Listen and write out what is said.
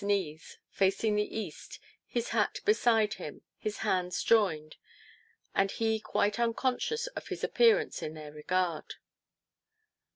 knees, facing the east, his hat beside him, his hands joined, and he quite unconscious of his appearance in their regard.